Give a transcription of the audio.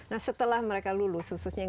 nah setelah mereka lulus khususnya yang